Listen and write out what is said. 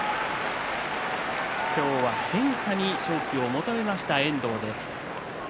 今日は変化に勝機を求めました遠藤です。